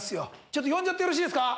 ちょっと呼んじゃってよろしいですか？